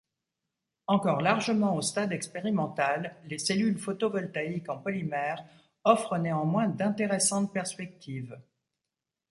Encore largement au stade expérimental, les cellules photovoltaïques en polymères offrent néanmoins d'intéressantes perspectives.